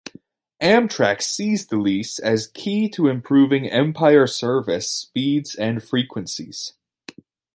Amtrak sees the lease as key to improving "Empire Service" speeds and frequencies.